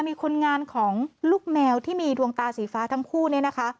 มีคนงานของลูกแมวที่มีดวงตาสีฟ้าทั้งคู่เนี่ยนะคะ